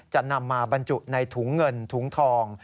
จะนำมาบรรจุในถุงเงินถุงทอง